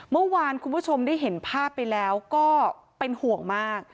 เมื่อวานคุณผู้ชมได้เห็นภาพไปแล้วก็เป็นห่วงมาก